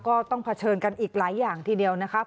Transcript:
ต้องเผชิญกันอีกหลายอย่างทีเดียวนะครับ